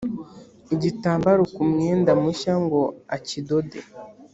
igitambaro ku mwenda mushya ngo akidode